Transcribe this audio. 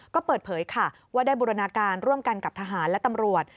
ก็เปิดเผยค่ะว่าได้บูรณาการร่วมกันกับทหารและตำรวจ